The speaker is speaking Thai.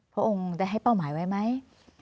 พระองค์ได้ให้เป้าหมายไว้ไหม